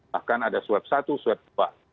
bahkan ada swab satu swab dua